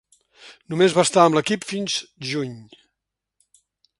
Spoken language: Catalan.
Només va estar amb l"equip fins juny.